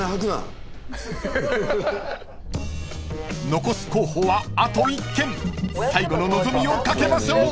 ［残す候補はあと１軒］［最後の望みをかけましょう］